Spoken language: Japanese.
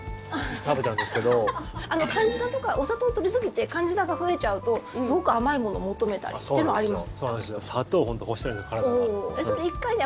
お砂糖取りすぎてカンジダが増えちゃうとすごく甘いものを求めたりっていうのはあります。